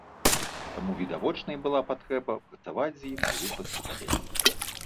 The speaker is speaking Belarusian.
Таму відавочнай была патрэба працаваць з ім і рухацца далей.